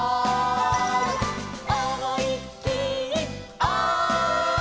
「思いっきりおい！」